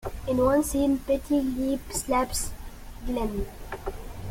In one scene, Betty Lee slaps Glenn.